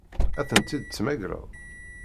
Ad tent-id-temmagreḍ?